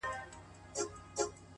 • ورباندي وځړوې؛